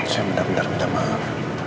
saya benar benar minta maaf